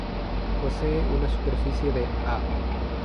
Posee una superficie de ha.